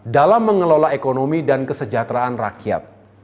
dalam mengelola ekonomi dan kesejahteraan rakyat